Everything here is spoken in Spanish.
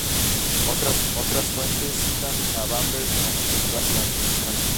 Otras fuentes citan a Bamberg como su lugar de detención.